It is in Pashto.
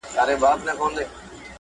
د ولس په معدنونو چور ګډ دی